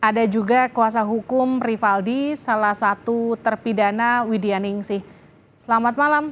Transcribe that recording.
ada juga kuasa hukum rivaldi salah satu terpidana widya ningsih selamat malam